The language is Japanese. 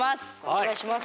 お願いします！